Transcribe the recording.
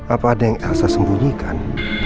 apa ada yang elsa sembunyikan